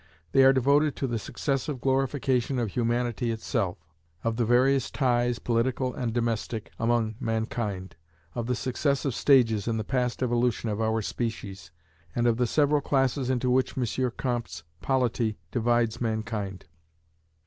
They are devoted to the successive glorification of Humanity itself; of the various ties, political and domestic, among mankind; of the successive stages in the past evolution of our species; and of the several classes into which M. Comte's polity divides mankind.